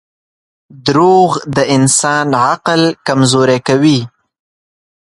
• دروغ د انسان عقل کمزوری کوي.